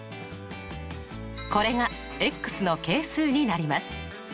これがの係数になります。